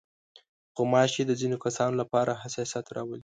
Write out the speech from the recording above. غوماشې د ځينو کسانو لپاره حساسیت راولي.